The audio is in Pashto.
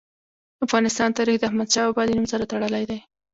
د افغانستان تاریخ د احمد شاه بابا د نوم سره تړلی دی.